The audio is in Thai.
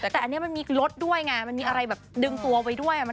แต่อันนี้มันมีรถด้วยไงมันมีอะไรแบบดึงตัวไว้ด้วย